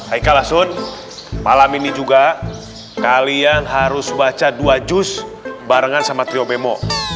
haika lasun malam ini juga kalian harus baca dua jus barengan sama trio bemo